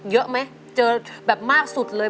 เยอะไหมเจอแบบมากสุดเลย